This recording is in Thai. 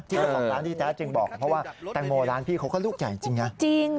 ที่ร้านที่แจ๊ะจึงบอกเพราะว่าตังโมร้านพี่เขาก็ลูกใหญ่จริง